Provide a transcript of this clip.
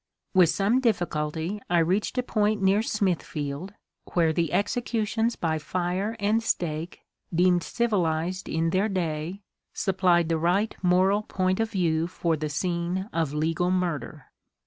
With some difficulty I reached a point near Smithfield where the executions by fire and stake, deemed civilized in their day, supplied the right moral point of view for the scene of legal murder.